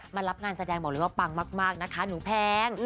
มารับงานแสดงบอกเลยว่าปังมากนะคะหนูแพง